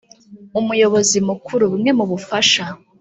Umuyobozi Mukuru bumwe mu bubasha